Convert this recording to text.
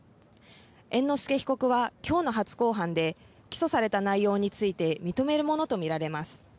猿之助被告はきょうの初公判で起訴された内容について認めるものと見られます。